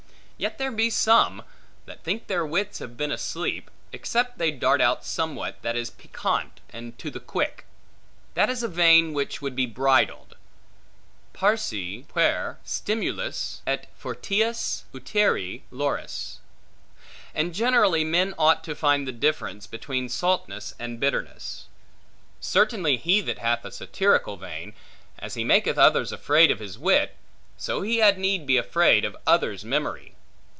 Yet there be some, that think their wits have been asleep, except they dart out somewhat that is piquant, and to the quick. That is a vein which would be bridled: Parce, puer, stimulis, et fortius utere loris. And generally, men ought to find the difference, between saltness and bitterness. Certainly, he that hath a satirical vein, as he maketh others afraid of his wit, so he had need be afraid of others' memory.